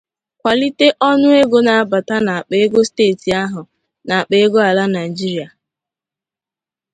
kwàlite ọnụego na-abata n'akpà ego steeti ahụ na n'àkpà ego ala Nigeria